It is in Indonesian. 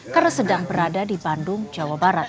karena sedang berada di bandung jawa barat